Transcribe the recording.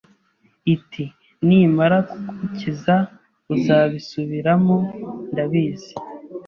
iti nimara kugukiza uzabisubiramo ndabizi